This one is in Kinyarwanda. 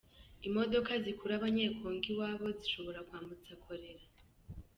Imodoka zikura Abanyekongo iwabo zishobora kwambutsa Korera.